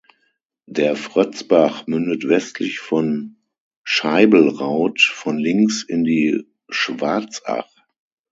Der Frözbach mündet westlich von Scheiblraut von links in die Schwarzach.